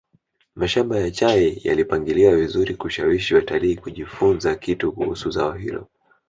mashamba ya chai yalipangiliwa vizuri kushawishi watalii kujifunza kitu kuhusu zao hilo